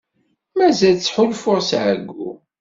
Mazal ttḥulfuɣ s ɛeyyu.